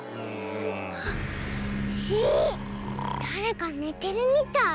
だれかねてるみたい。